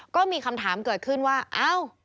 ก็มีคำถามเกิดขึ้นว่าเอ้า